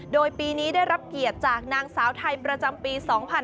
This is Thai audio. โดยปีนี้ได้รับเกียรติจากนางสาวไทยประจำปี๒๕๕๙